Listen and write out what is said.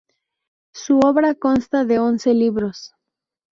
Su obra consta de once libros.